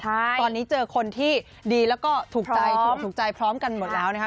ตอนนี้เจอคนที่ดีแล้วก็ถูกใจถูกใจพร้อมกันหมดแล้วนะคะ